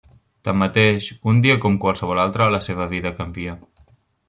Tanmateix, un dia com qualsevol altre, la seva vida canvia.